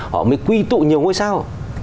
họ mới quy tụ nhiều ngôi sao